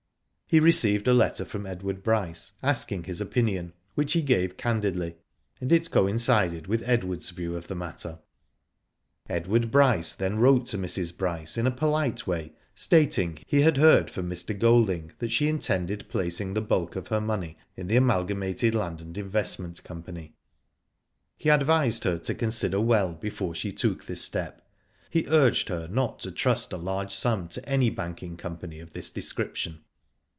He received a letter from Edward Bryce, asking his opinion, which he gave candidly, and it coin cided with Edward's view of the matter. Edward Bryce then wrote to Mrs. Bryce, in a polite way, stating that he had heard from Mr. Digitized byGoogk MRS. BRYCE ACCEPTS. I47 Golding that she intended placing the bulk of her money in the Amalgamated Land and Investment Company. He advised her to consider well before she took this step. He urged her not to trust a large sum to any banking company of this description.